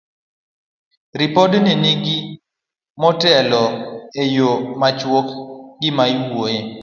Ripodgi nigi kwan motelo malero e yo machuok gima iwuoyoe.